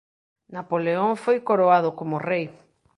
Napoleón foi coroado como rei.